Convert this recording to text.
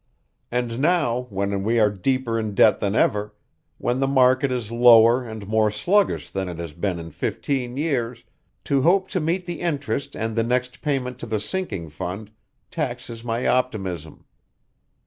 And now, when we are deeper in debt than ever, when the market is lower and more sluggish than it has been in fifteen years, to hope to meet the interest and the next payment to the sinking fund taxes my optimism.